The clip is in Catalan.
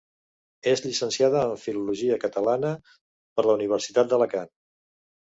És llicenciada en filologia catalana per la Universitat d'Alacant.